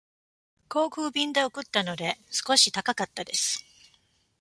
航空便で送ったので、少し高かったです。